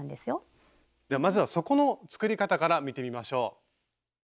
まずは底の作り方から見てみましょう。